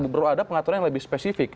perlu ada pengaturan yang lebih spesifik